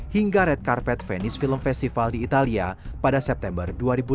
hingga red carpet venish film festival di italia pada september dua ribu enam belas